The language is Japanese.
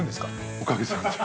◆おかげさまで。